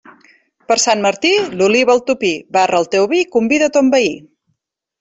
Per Sant Martí, l'oliva al topí, barra el teu vi i convida ton veí.